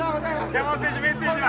山本選手、メッセージは？